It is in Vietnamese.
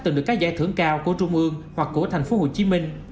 từng được các giải thưởng cao của trung ương hoặc của tp hcm